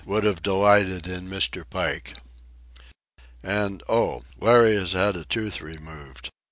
would have delighted in Mr. Pike! And—oh!—Larry has had a tooth removed.